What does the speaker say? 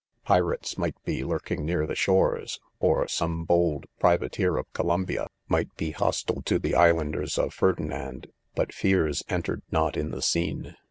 Pirates might be lurking near the shores, or some bold pri* Tateer of Columbia might be hostile to the islanders of Ferdinand, but fears entered not in the scene.